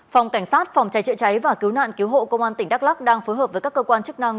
phòng cảnh sát phòng cháy chữa cháy và cứu nạn cứu hộ công an tỉnh đắk lắc đang phối hợp với các cơ quan chức năng